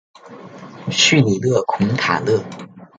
叙里勒孔塔勒。